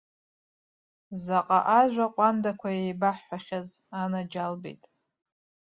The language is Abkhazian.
Заҟа ажәа ҟәандақәа еибаҳҳәахьааз, анаџьалбеит.